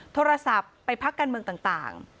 โทรศัพท์ไปพักการเมืองต่าง